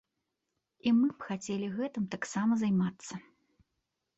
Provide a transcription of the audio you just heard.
І мы б хацелі гэтым таксама займацца.